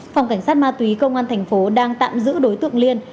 phòng cảnh sát ma túy công an thành phố đang tạm giữ đối tượng liên